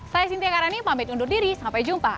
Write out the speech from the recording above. saya cynthia karani pamit undur diri sampai jumpa